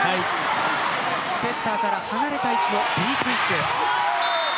セッターから離れた位置のＢクイック。